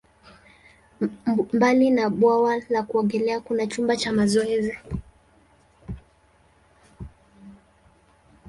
Mbali na bwawa la kuogelea, kuna chumba cha mazoezi.